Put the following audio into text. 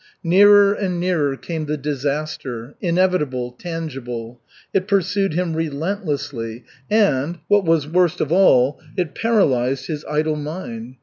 Nearer and nearer came the disaster, inevitable, tangible. It pursued him relentlessly and what was worst of all it paralyzed his idle mind.